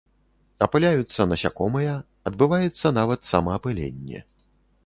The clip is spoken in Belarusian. Апыляюцца насякомыя, адбываецца нават самаапыленне.